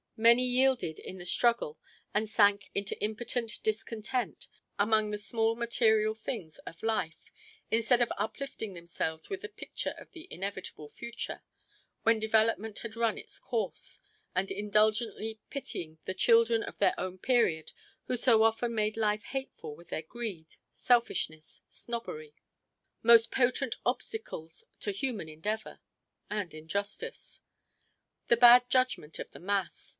Many yielded in the struggle and sank into impotent discontent among the small material things of life, instead of uplifting themselves with the picture of the inevitable future when development had run its course, and indulgently pitying the children of their own period who so often made life hateful with their greed, selfishness, snobbery most potent obstacle to human endeavor and injustice. The bad judgment of the mass!